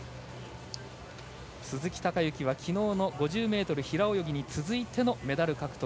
鈴木孝幸は、きのうの５０ｍの平泳ぎに続いてのメダル獲得。